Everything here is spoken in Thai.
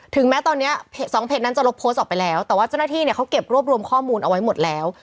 แม้ตอนนี้สองเพจนั้นจะลบโพสต์ออกไปแล้วแต่ว่าเจ้าหน้าที่เนี่ยเขาเก็บรวบรวมข้อมูลเอาไว้หมดแล้ว